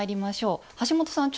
橋本さん